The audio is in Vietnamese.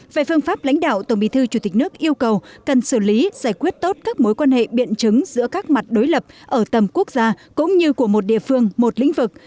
về phương pháp lãnh đạo tổng bí thư chủ tịch nước yêu cầu cần xử lý giải quyết tốt các mối quan hệ biện chứng giữa các mặt đối lập ở tầm quốc gia cũng như của một địa phương một lĩnh vực